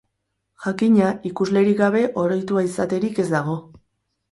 Jakina, ikuslerik gabe oroitua izaterik ez dago.